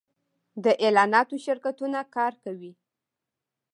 د اعلاناتو شرکتونه کار کوي